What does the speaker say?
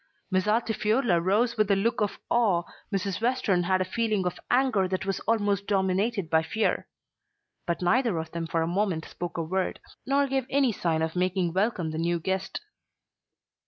Miss Altifiorla rose with a look of awe, Mrs. Western with a feeling of anger that was almost dominated by fear. But neither of them for a moment spoke a word, nor gave any sign of making welcome the new guest.